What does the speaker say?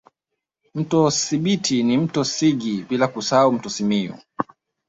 Mto Sibiti na mto Sigi bila kusahau mto Simiyu